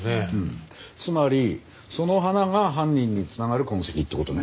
つまりその花が犯人に繋がる痕跡って事ね。